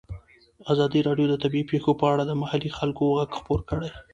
ازادي راډیو د طبیعي پېښې په اړه د محلي خلکو غږ خپور کړی.